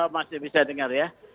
masih bisa dengar ya